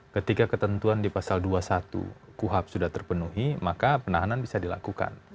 ketika ketentuan di pasal dua puluh satu kuhap sudah terpenuhi maka penahanan bisa dilakukan